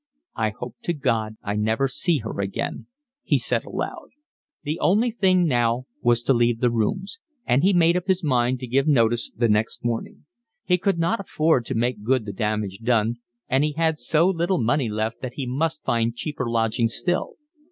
"I hope to God I never see her again," he said aloud. The only thing now was to leave the rooms, and he made up his mind to give notice the next morning. He could not afford to make good the damage done, and he had so little money left that he must find cheaper lodgings still.